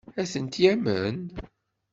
Ad tent-yamen?